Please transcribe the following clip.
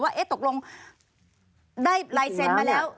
ว่าเอ๊ะตกลงได้ไลเซนต์มาแล้ว